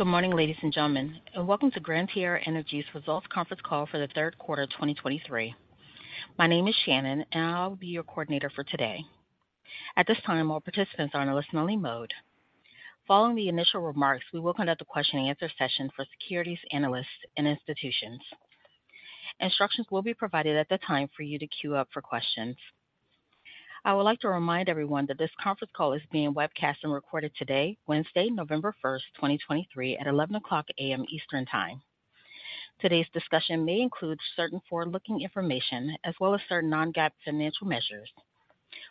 Good morning, ladies and gentlemen, and welcome to Gran Tierra Energy's Results Conference Call for the third quarter of 2023. My name is Shannon, and I'll be your coordinator for today. At this time, all participants are on a listen-only mode. Following the initial remarks, we will conduct a question-and-answer session for securities, analysts, and institutions. Instructions will be provided at the time for you to queue up for questions. I would like to remind everyone that this conference call is being webcast and recorded today, Wednesday, November 1, 2023, at 11:00 A.M. Eastern Time. Today's discussion may include certain forward-looking information as well as certain non-GAAP financial measures.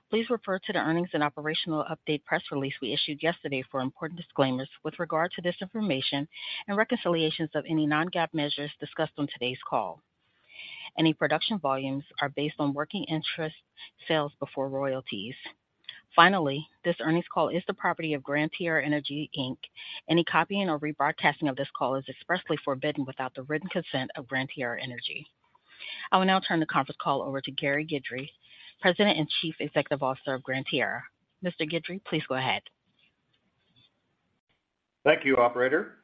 Please refer to the earnings and operational update press release we issued yesterday for important disclaimers with regard to this information and reconciliations of any non-GAAP measures discussed on today's call. Any production volumes are based on working interest sales before royalties. Finally, this earnings call is the property of Gran Tierra Energy, Inc. Any copying or rebroadcasting of this call is expressly forbidden without the written consent of Gran Tierra Energy. I will now turn the conference call over to Gary Guidry, President and Chief Executive Officer of Gran Tierra. Mr. Guidry, please go ahead. Thank you, operator.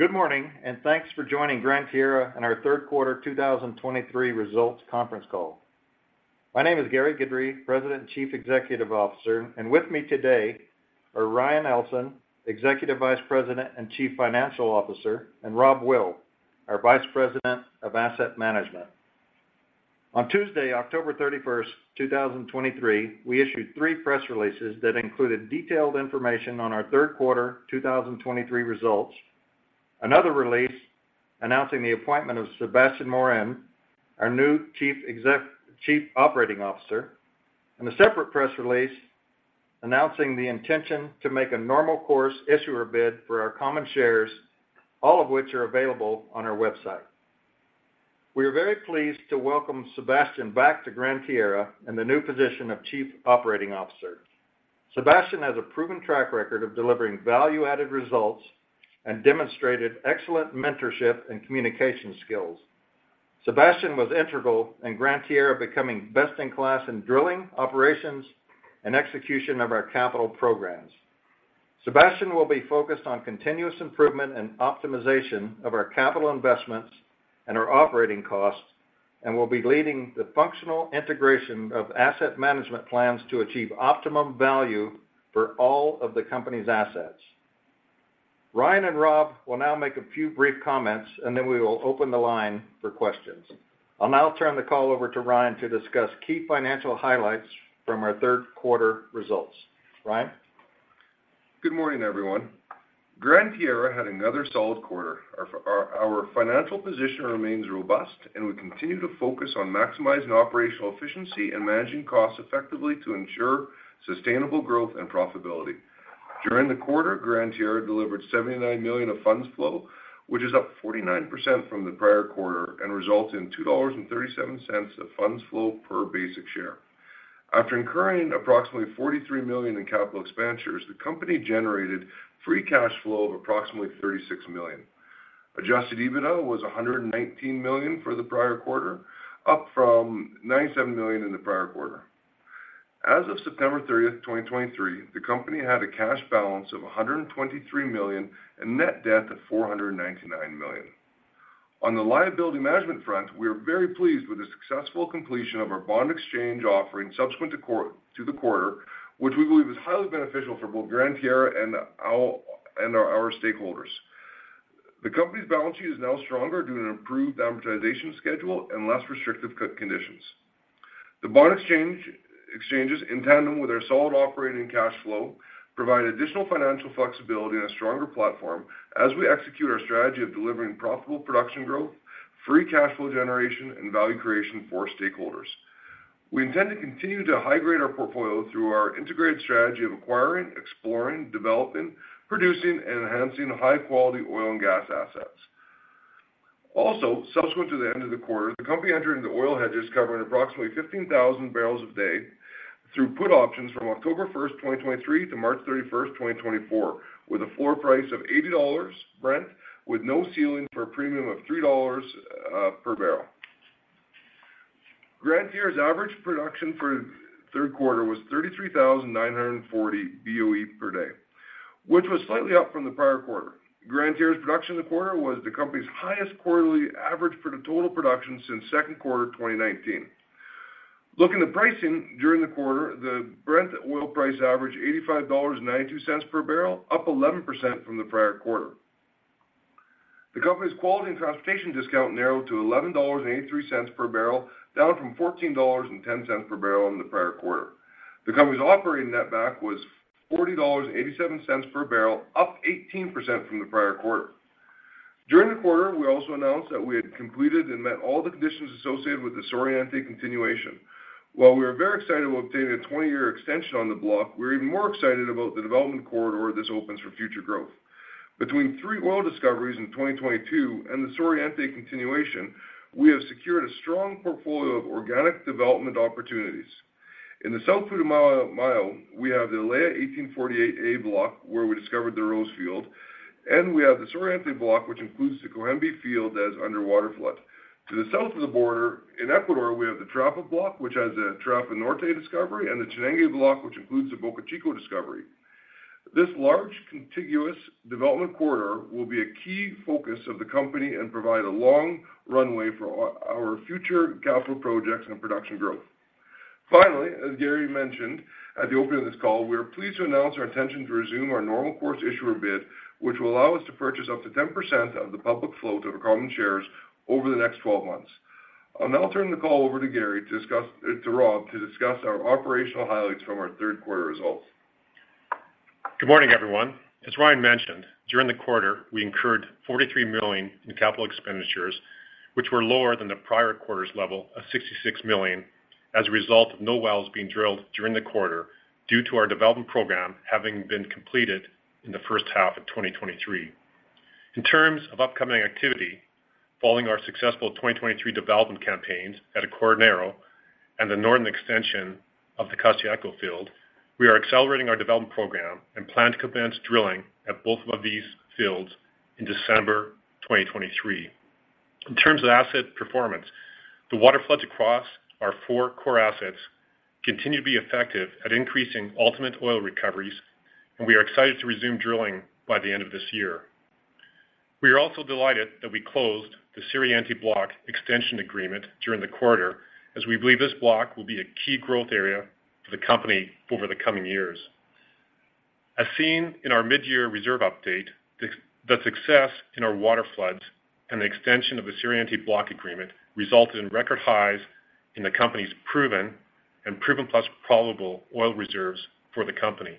Good morning, and thanks for joining Gran Tierra on our third quarter 2023 results conference call. My name is Gary Guidry, President and Chief Executive Officer, and with me today are Ryan Ellson, Executive Vice President and Chief Financial Officer, and Rob Will, our Vice President of Asset Management. On Tuesday, October 31, 2023, we issued three press releases that included detailed information on our third quarter 2023 results, another release announcing the appointment of Sébastien Morin, our new Chief Operating Officer, and a separate press release announcing the intention to make a normal course issuer bid for our common shares, all of which are available on our website. We are very pleased to welcome Sébastien back to Gran Tierra in the new position of Chief Operating Officer. Sébastien has a proven track record of delivering value-added results and demonstrated excellent mentorship and communication skills. Sébastien was integral in Gran Tierra, becoming best-in-class in drilling, operations, and execution of our capital programs. Sébastien will be focused on continuous improvement and optimization of our capital investments and our operating costs, and will be leading the functional integration of asset management plans to achieve optimum value for all of the company's assets. Ryan and Rob will now make a few brief comments, and then we will open the line for questions. I'll now turn the call over to Ryan to discuss key financial highlights from our third quarter results. Ryan? Good morning, everyone. Gran Tierra had another solid quarter. Our financial position remains robust, and we continue to focus on maximizing operational efficiency and managing costs effectively to ensure sustainable growth and profitability. During the quarter, Gran Tierra delivered $79 million of funds flow, which is up 49% from the prior quarter and results in $2.37 of funds flow per basic share. After incurring approximately $43 million in capital expenditures, the company generated free cash flow of approximately $36 million. Adjusted EBITDA was $119 million for the prior quarter, up from $97 million in the prior quarter. As of September 30, 2023, the company had a cash balance of $123 million and net debt of $499 million. On the liability management front, we are very pleased with the successful completion of our bond exchange offering subsequent to the quarter, which we believe is highly beneficial for both Gran Tierra and our stakeholders. The company's balance sheet is now stronger due to an improved amortization schedule and less restrictive cut conditions. The bond exchange in tandem with our solid operating cash flow provide additional financial flexibility and a stronger platform as we execute our strategy of delivering profitable production growth, free cash flow generation, and value creation for stakeholders. We intend to continue to high-grade our portfolio through our integrated strategy of acquiring, exploring, developing, producing, and enhancing high-quality oil and gas assets. Also, subsequent to the end of the quarter, the company entered into oil hedges, covering approximately 15,000 barrels a day through put options from October 1, 2023 to March 31, 2024, with a floor price of $80 Brent, with no ceiling for a premium of $3 per barrel. Gran Tierra's average production for the third quarter was 33,940 BOE per day, which was slightly up from the prior quarter. Gran Tierra's production in the quarter was the company's highest quarterly average for the total production since second quarter of 2019. Looking at pricing during the quarter, the Brent oil price averaged $85.92 per barrel, up 11% from the prior quarter. The company's quality and transportation discount narrowed to $11.83 per barrel, down from $14.10 per barrel in the prior quarter. The company's Operating Net Back was $40.87 per barrel, up 18% from the prior quarter. During the quarter, we also announced that we had completed and met all the conditions associated with the Suroriente continuation. While we are very excited about obtaining a 20-year extension on the block, we're even more excited about the development corridor this opens for future growth. Between three oil discoveries in 2022 and the Suroriente continuation, we have secured a strong portfolio of organic development opportunities. In the South Putumayo, we have the ALEA-1848A block, where we discovered the Rose field, and we have the Suroriente block, which includes the Cohembi field that is under waterflood. To the south of the border in Ecuador, we have the Charapa block, which has a Charapa Norte discovery, and the Chanangue block, which includes the Bocachico discovery. This large contiguous development corridor will be a key focus of the company and provide a long runway for our future capital projects and production growth. Finally, as Gary mentioned at the opening of this call, we are pleased to announce our intention to resume our Normal Course Issuer Bid, which will allow us to purchase up to 10% of the public float of our common shares over the next 12 months. I'll now turn the call over to Rob to discuss our operational highlights from our third quarter results. Good morning, everyone. As Ryan mentioned, during the quarter, we incurred $43 million in capital expenditures, which were lower than the prior quarter's level of $66 million as a result of no wells being drilled during the quarter due to our development program having been completed in the first half of 2023. In terms of upcoming activity, following our successful 2023 development campaigns at Acordionero and the northern extension of the Costayaco field, we are accelerating our development program and plan to commence drilling at both of these fields in December 2023. In terms of asset performance, the waterfloods across our four core assets continue to be effective at increasing ultimate oil recoveries, and we are excited to resume drilling by the end of this year. We are also delighted that we closed the Suroriente block extension agreement during the quarter, as we believe this block will be a key growth area for the company over the coming years. As seen in our midyear reserve update, the success in our waterfloods and the extension of the Suroriente block Agreement resulted in record highs in the company's proven and proven plus probable oil reserves for the company.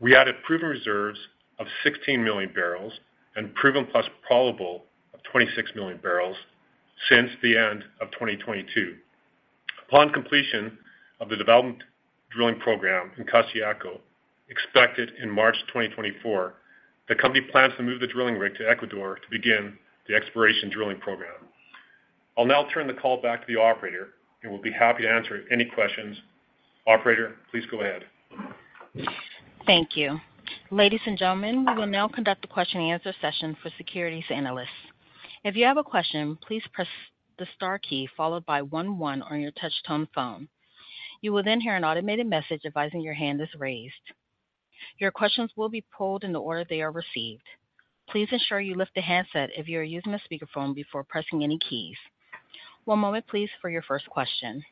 We added proven reserves of 16 million barrels and proven plus probable of 26 million barrels since the end of 2022. Upon completion of the development drilling program in Costayaco, expected in March 2024, the company plans to move the drilling rig to Ecuador to begin the exploration drilling program. I'll now turn the call back to the operator, and we'll be happy to answer any questions. Operator, please go ahead. Thank you. Ladies and gentlemen, we will now conduct a question-and-answer session for securities analysts. If you have a question, please press the star key, followed by one one on your touchtone phone. You will then hear an automated message advising your hand is raised. Your questions will be polled in the order they are received. Please ensure you lift the handset if you are using a speakerphone before pressing any keys. One moment please, for your first question.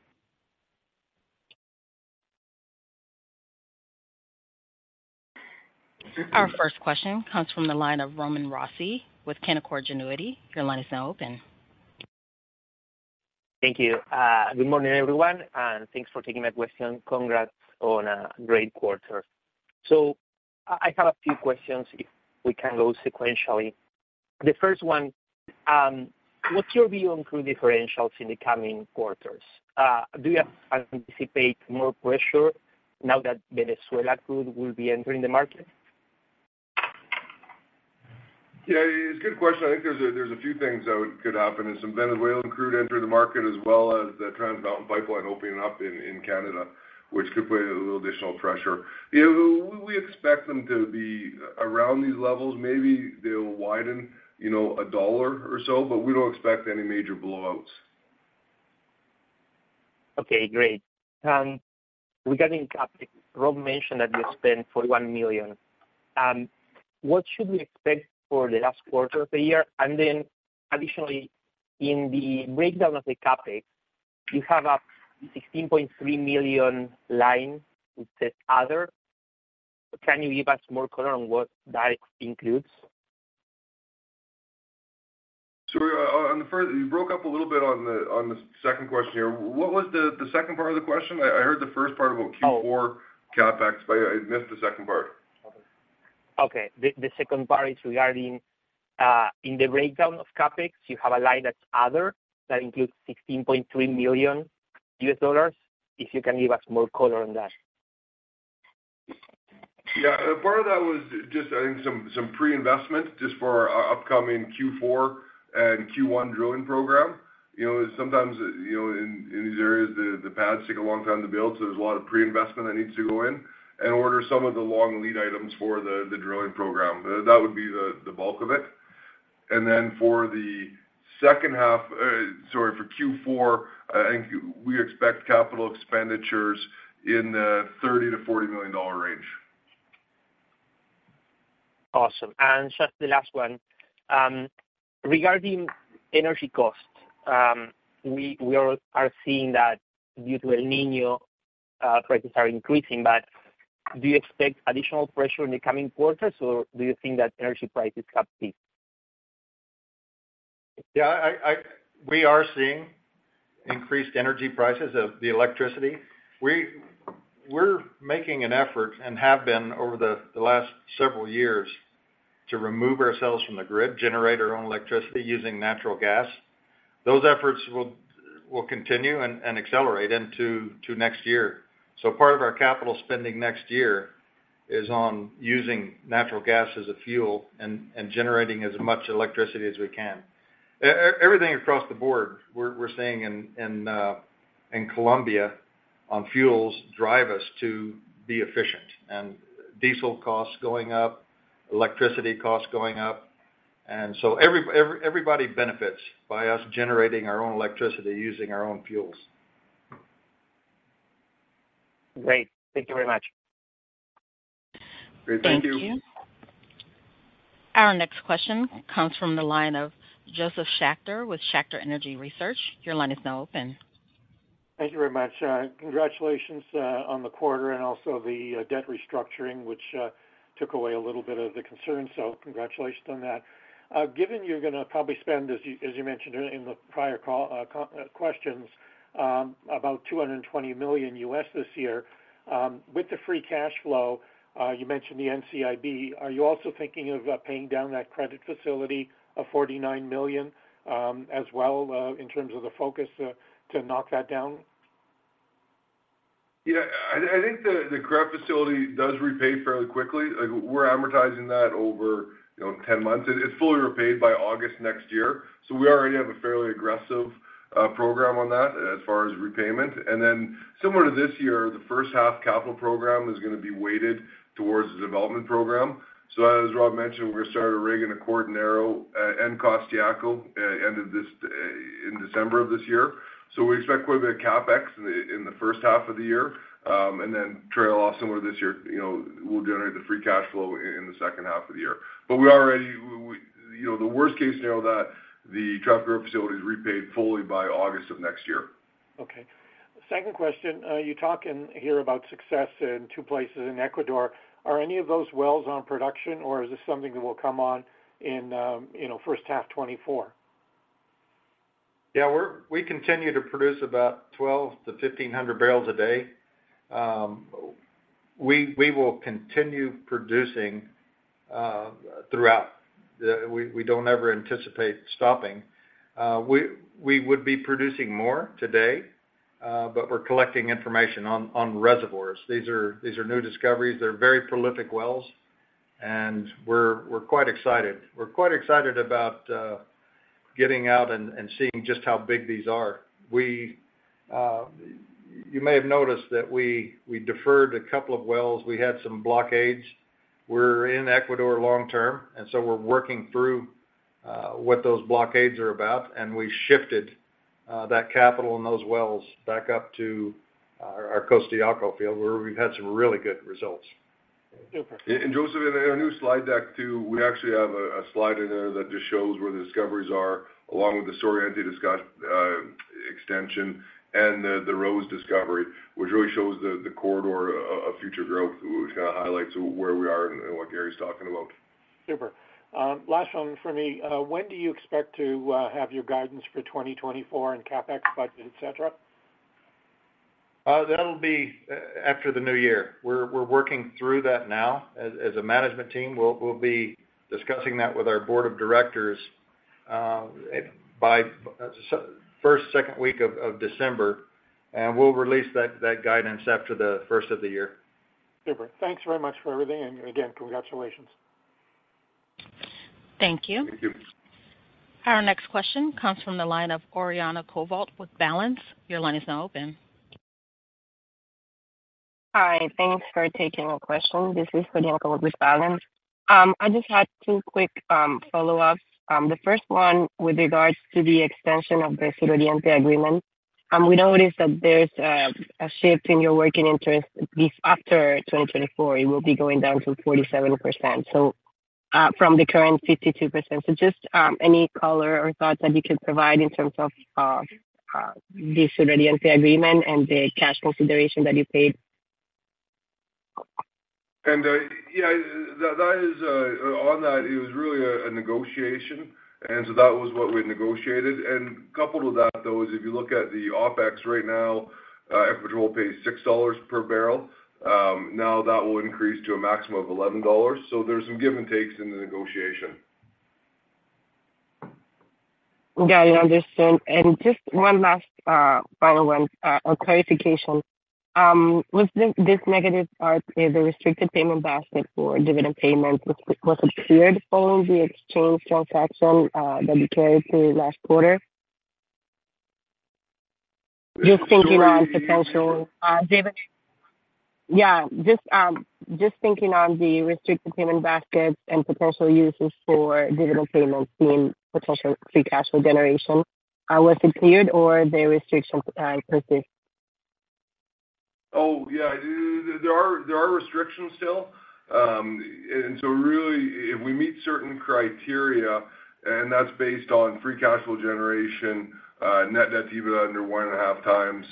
Our first question comes from the line of Roman Rossi with Canaccord Genuity. Your line is now open. Thank you. Good morning, everyone, and thanks for taking my question. Congrats on a great quarter. So I have a few questions, if we can go sequentially. The first one, what's your view on crude differentials in the coming quarters? Do you anticipate more pressure now that Venezuela crude will be entering the market? Yeah, it's a good question. I think there's a few things that could happen as some Venezuelan crude enter the market, as well as the Trans Mountain pipeline opening up in Canada, which could put a little additional pressure. Yeah, we expect them to be around these levels. Maybe they'll widen, you know, $1 or so, but we don't expect any major blowouts. Okay, great. Regarding CapEx, Rob mentioned that you spent $41 million. What should we expect for the last quarter of the year? And then additionally, in the breakdown of the CapEx, you have a $16.3 million line that says Other. Can you give us more color on what that includes? Sorry, on the first, you broke up a little bit on the second question here. What was the second part of the question? I heard the first part about Q4 CapEx, but I missed the second part. Okay. The second part is regarding in the breakdown of CapEx, you have a line that's other, that includes $16.3 million, if you can give us more color on that. Yeah. Part of that was just, I think, some pre-investment, just for our upcoming Q4 and Q1 drilling program. You know, sometimes, you know, in these areas, the pads take a long time to build, so there's a lot of pre-investment that needs to go in and order some of the long lead items for the drilling program. That would be the bulk of it. And then for the second half, sorry, for Q4, I think we expect capital expenditures in the $30 million-$40 million range. Awesome. Just the last one. Regarding energy costs, we are seeing that due to El Niño, prices are increasing, but do you expect additional pressure in the coming quarters, or do you think that energy prices have peaked? Yeah, we are seeing increased energy prices of the electricity. We're making an effort and have been over the last several years to remove ourselves from the grid, generate our own electricity using natural gas. Those efforts will continue and accelerate into next year. So part of our capital spending next year is on using natural gas as a fuel and generating as much electricity as we can. Everything across the board, we're seeing in Colombia on fuels drive us to be efficient. And diesel costs going up, electricity costs going up, and so everybody benefits by us generating our own electricity, using our own fuels. Great. Thank you very much. Great, thank you. Thank you. Our next question comes from the line of Josef Schachter with Schachter Energy Research. Your line is now open. Thank you very much. Congratulations on the quarter and also the debt restructuring, which took away a little bit of the concern, so congratulations on that. Given you're gonna probably spend, as you mentioned earlier in the prior call, questions about $220 million this year, with the free cash flow, you mentioned the NCIB, are you also thinking of paying down that credit facility of $49 million as well, in terms of the focus to knock that down? Yeah, I think the credit facility does repay fairly quickly. Like, we're amortizing that over 10 months. It's fully repaid by August next year. So we already have a fairly aggressive program on that as far as repayment. And then similar to this year, the first half capital program is gonna be weighted towards the development program. So as Rob mentioned, we're gonna start a rig in the Acordionero and Costayaco, end of this in December of this year. So we expect quite a bit of CapEx in the first half of the year, and then trail off similar to this year, you know, we'll generate the free cash flow in the second half of the year. But we already, you know, the worst case now that the prepayment facility is repaid fully by August of next year. Okay. Second question, you talk in here about success in two places in Ecuador. Are any of those wells on production, or is this something that will come on in, you know, first half 2024? Yeah, we continue to produce about 1,200-1,500 barrels a day. We will continue producing throughout the... We don't ever anticipate stopping. We would be producing more today, but we're collecting information on reservoirs. These are new discoveries. They're very prolific wells, and we're quite excited. We're quite excited about getting out and seeing just how big these are. You may have noticed that we deferred a couple of wells. We had some blockades. We're in Ecuador long term, and so we're working through what those blockades are about, and we shifted that capital and those wells back up to our Costayaco field, where we've had some really good results. Josef, in our new slide deck, too, we actually have a slide in there that just shows where the discoveries are, along with the Suroriente extension and the Rose discovery, which really shows the corridor of future growth, which kind of highlights where we are and what Gary's talking about. Super. Last one for me. When do you expect to have your guidance for 2024 and CapEx budget, et cetera? That'll be after the new year. We're working through that now. As a management team, we'll be discussing that with our board of directors by first, second week of December, and we'll release that guidance after the first of the year. Super. Thanks very much for everything. And again, congratulations. Thank you. Thank you. Our next question comes from the line of Oriana Covault with Balanz. Your line is now open. Hi, thanks for taking my question. This is Oriana with Balanz. I just had two quick follow-ups. The first one with regards to the extension of the Suroriente agreement. We noticed that there's a shift in your working interest. This after 2024, it will be going down to 47%, so, from the current 52%. So just, any color or thoughts that you could provide in terms of, the Suroriente agreement and the cash consideration that you paid? Yeah, that, that is, on that, it was really a, a negotiation, and so that was what we negotiated. Coupled with that, though, is if you look at the OpEx right now, Ecuador pays $6 per barrel. Now, that will increase to a maximum of $11. There's some give and takes in the negotiation. Yeah, I understand. And just one last, final one, a clarification. Was this, this negative part, the restricted payment basket for dividend payments, was it cleared for the exchange transaction, that you carried through last quarter? Just thinking on potential... Yeah, just thinking on the restricted payment baskets and potential uses for dividend payments and potential free cash flow generation, was it cleared or are there restrictions in place? Oh, yeah. There are restrictions still. And so really, if we meet certain criteria, and that's based on free cash flow generation, net debt EBITDA under 1.5x,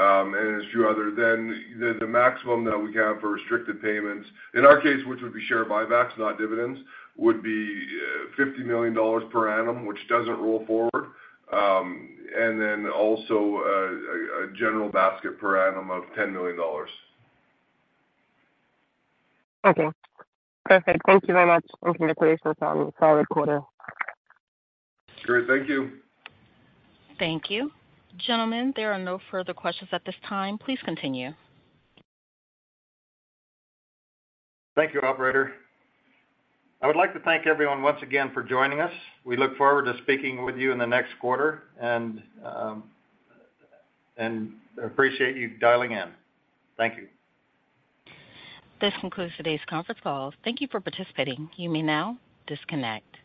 and there's a few other, then the maximum that we have for restricted payments, in our case, which would be share buybacks, not dividends, would be $50 million per annum, which doesn't roll forward, and then also a general basket per annum of $10 million. Okay. Perfect. Thank you very much. Thank you for the clarification on our quarter. Great. Thank you. Thank you. Gentlemen, there are no further questions at this time. Please continue. Thank you, operator. I would like to thank everyone once again for joining us. We look forward to speaking with you in the next quarter and, and appreciate you dialing in. Thank you. This concludes today's conference call. Thank you for participating. You may now disconnect.